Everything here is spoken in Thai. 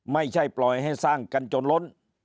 ไม่ใช่ปล่อยให้สร้างกันจนล้น